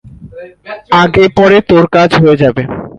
আগে পরে তোর কাজ হয়ে যাবে!